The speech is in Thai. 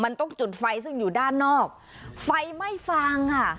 มันต้องจุดไฟซึ่งอยู่ด้านนอกไฟไม่ฟางค่ะ